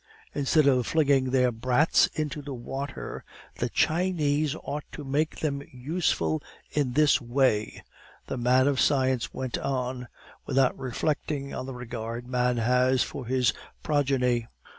"Instead of flinging their brats into the water, the Chinese ought to make them useful in this way," the man of science went on, without reflecting on the regard man has for his progeny.